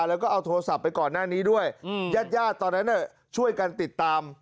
แล้วก็เอาโทรศัพท์ไปก่อนหน้านี้ด้วยญาติญาติตอนนั้นช่วยกันติดตาม